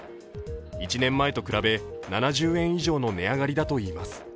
１年前と比べ、７０円以上の値上がりだといいます。